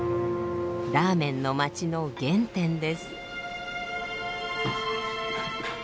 ラーメンの街の原点です。